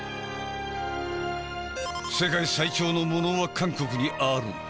世界最長のものは韓国にある。